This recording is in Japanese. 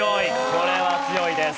これは強いです。